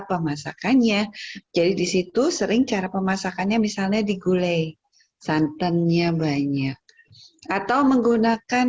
pemasakannya jadi disitu sering cara pemasakannya misalnya di gulai santannya banyak atau menggunakan